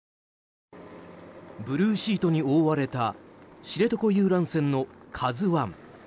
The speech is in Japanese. ブルーシートに覆われた知床遊覧船の「ＫＡＺＵ１」。